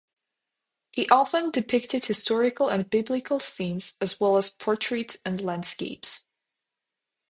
He often depicted historical and biblical scenes, as well as portraits and landscapes.